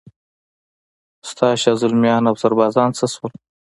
ستا شازلمیان اوسربازان څه شول؟